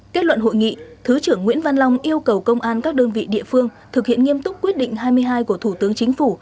kết luận hội nghị thứ trưởng nguyễn văn long yêu cầu công an các đơn vị địa phương thực hiện nghiêm túc quyết định hai mươi hai của thủ tướng chính phủ